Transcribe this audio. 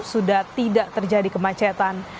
sudah tidak terjadi kemacetan